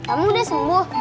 kau udah sembuh